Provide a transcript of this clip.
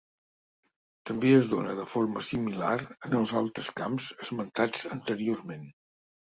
També es dóna de forma similar en els altres camps esmentats anteriorment.